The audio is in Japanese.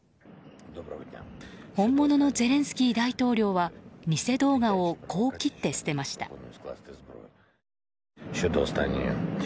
本物のゼレンスキー大統領は偽動画をこう切って捨てました。